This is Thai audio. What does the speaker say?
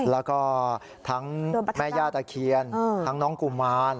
แล้วก็ทั้งแม่ย่าตะเคียนทั้งน้องกุมาร